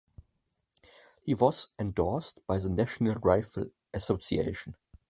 He was endorsed by the National Rifle Association.